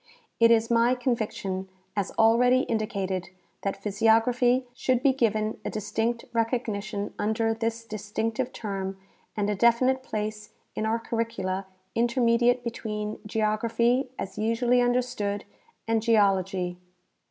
It is my conviction, as already indicated, that physiography should be given a distinct recognition under this distinctive term and a definite place in our curricula intermediate between geography, as usually un derstood, and geology.